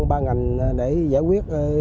ba ngành để giải quyết